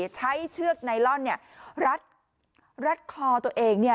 เชือกไนลอนรัดคอตัวเอง